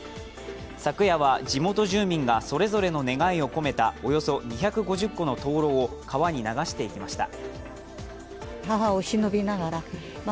昨夜は地元住民がそれぞれの願いを込めたおよそ２５０個の灯籠を川に流していきました。